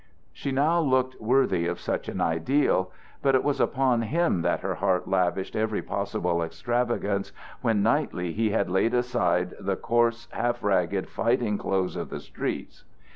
She now looked worthy of such an ideal. But it was upon him that her heart lavished every possible extravagance when nightly he had laid aside the coarse half ragged fighting clothes of the streets.